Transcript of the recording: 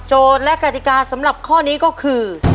และกติกาสำหรับข้อนี้ก็คือ